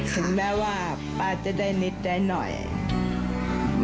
ถึงแม้ว่าป้าจะได้นิดแดง